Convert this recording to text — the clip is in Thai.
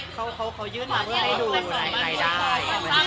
เขายื่นมาเพื่อให้ดูรายได้